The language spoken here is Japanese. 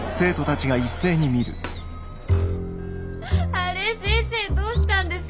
あれ先生どうしたんですか？